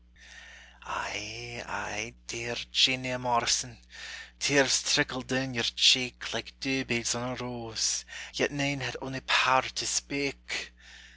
Ay, ay, dear Jeanie Morrison, Tears trickled doun your cheek Like dew beads on a rose, yet nane Had ony power to speak!